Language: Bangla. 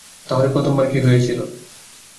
তাহলে প্রথমবার কী হয়েছিল?